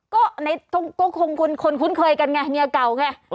ก็คงคนคุ้นเคยกันไงเมียเก่าไง